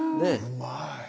うまい。